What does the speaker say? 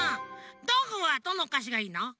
どんぐーはどのおかしがいいの？